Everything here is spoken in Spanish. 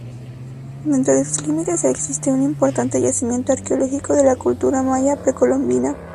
Dentro de sus límites existe un importante yacimiento arqueológico de la cultura maya, precolombina.